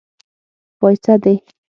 پايڅۀ دې.